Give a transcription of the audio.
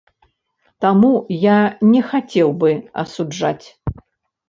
Таму я не хацеў бы асуджаць.